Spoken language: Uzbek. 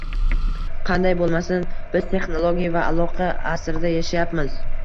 Qanday bo'lmasin, biz texnologiya va aloqa asrida yashayapmiz